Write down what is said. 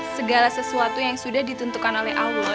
segala sesuatu yang sudah ditentukan oleh allah